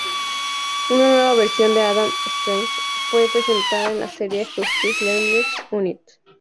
Una nueva versión de Adam Strange fue presentada en la serie Justice League United.